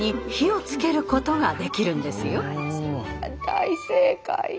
大正解。